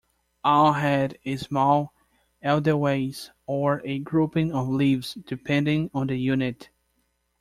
All had a small edelweiss or a grouping of leaves, depending on the unit.